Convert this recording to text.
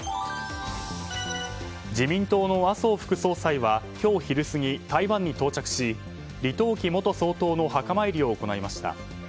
自民党の麻生副総裁は今日昼過ぎ、台湾に到着し李登輝元総統の墓参りを行いました。